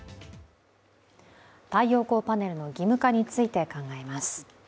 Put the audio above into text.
太陽光パネルの義務化について考えます。